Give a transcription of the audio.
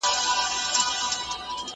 طبيبه مه ګوه زما د لاس رګونه